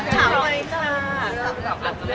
ใช่แล้วแบบรอไปก่อนนะคะ